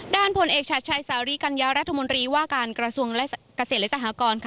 ผลเอกชัดชัยสารีกัญญารัฐมนตรีว่าการกระทรวงเกษตรและสหกร